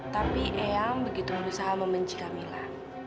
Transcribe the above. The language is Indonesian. tapi eyang begitu berusaha membenci camilla